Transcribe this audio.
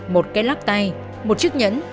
một cái lắp tay một chiếc nhẫn